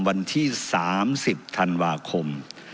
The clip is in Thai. วันที่๓๐ธันวาคม